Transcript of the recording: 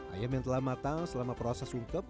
ayam yang telah matang selama proses sungkep